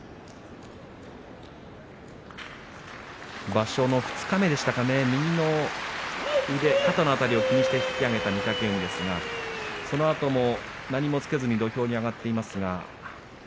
場所の二日目でしたか右の腕、肩の辺りを気にして引き揚げた御嶽海ですがそのあと何もつけずに土俵に上がっています。